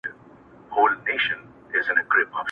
• نوروز راسي زېری نه وي پر وزر د توتکیو -